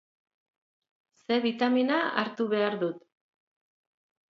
C bitamina hartu behar dut.